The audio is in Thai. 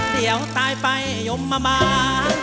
เดี๋ยวตายไปยมมาบ้าน